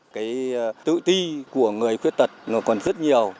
cái tự ti của người khuyết tật nó còn rất nhiều